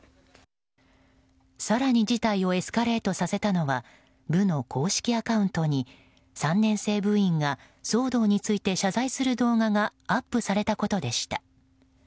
更に、事態をエスカレートさせたのは部の公式アカウントに３年生部員が騒動について謝罪する動画がアップされたことでした。